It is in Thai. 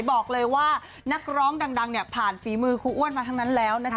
บอกเลยว่านักร้องดังเนี่ยผ่านฝีมือครูอ้วนมาทั้งนั้นแล้วนะคะ